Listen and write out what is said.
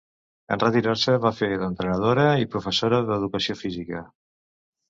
En retirar-se va fer d'entrenadora i professora d'educació física.